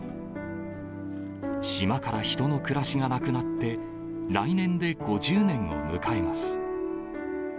島から人の暮らしがなくなって、来年で５０年を迎えます。